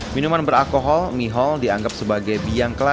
minuman beralkohol mihol dianggap sebagai biang kela